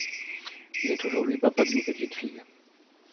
Il est aujourd'hui papa d'une petite fille.